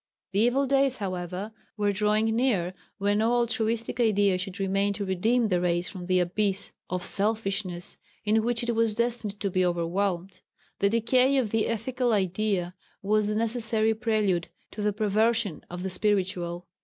The evil days, however, were drawing near when no altruistic idea should remain to redeem the race from the abyss of selfishness in which it was destined to be overwhelmed. The decay of the ethical idea was the necessary prelude to the perversion of the spiritual.